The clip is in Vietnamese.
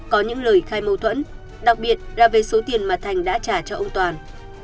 có những lời khai mâu thuẫn đặc biệt là về số tiền mà thành đã trả cho ông toàn